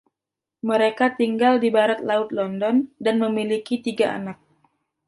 Mereka tinggal di barat laut London dan memiliki tiga anak.